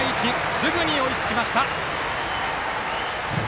すぐに追いつきました。